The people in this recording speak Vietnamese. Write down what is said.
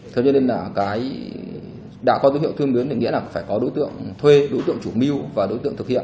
thế nên là đã có dấu hiệu thuê mướn thì nghĩa là phải có đối tượng thuê đối tượng chủ mưu